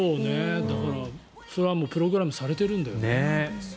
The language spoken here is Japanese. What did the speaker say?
だから、それはプログラムされてるんだよね。